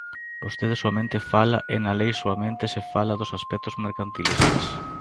Vostede soamente fala e na lei soamente se fala dos aspectos mercantilistas.